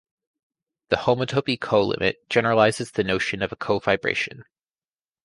The homotopy colimit generalizes the notion of a cofibration.